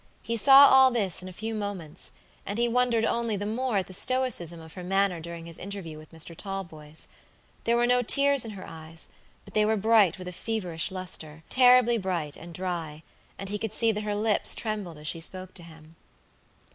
He saw all this in a few moments, and he wondered only the more at the stoicism of her manner during his interview with Mr. Talboys. There were no tears in her eyes, but they were bright with a feverish lusterterribly bright and dryand he could see that her lips trembled as she spoke to him.